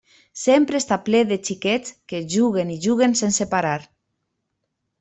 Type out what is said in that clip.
Sempre està ple de xiquets que juguen i juguen sense parar.